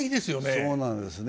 そうなんですね。